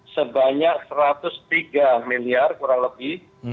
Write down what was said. sebanyak satu ratus tiga miliar kurang lebih